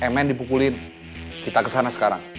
mn dipukulin kita kesana sekarang